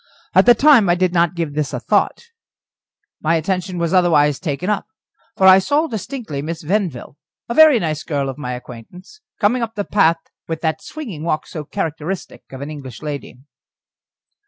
At the time I did not give this a thought; my attention was otherwise taken up. For I saw distinctly Miss Venville, a very nice girl of my acquaintance, coming up the path with that swinging walk so characteristic of an English young lady.